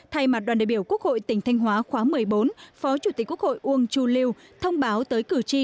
thay mặt đoàn đại biểu quốc hội tỉnh thanh hóa khóa một mươi bốn phó chủ tịch quốc hội uông chu lưu thông báo tới cử tri